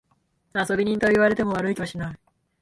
遊び人と言われても悪い気はしない。